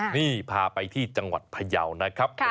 นี่พาไปที่จังหวัดพยาวนะครับ